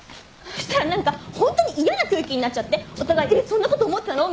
そしたら何かホントに嫌な空気になっちゃってお互い「えっ？そんなこと思ってたの？」